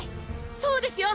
そうですよ